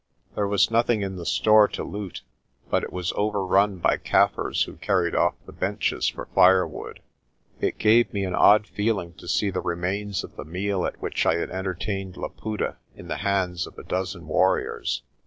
There was nothing in the store to loot, but it was overrun by Kaffirs, who carried off the benches for firewood. It gave me an odd feeling to see the remains of the meal at which I had entertained Laputa in the hands of a dozen warriors.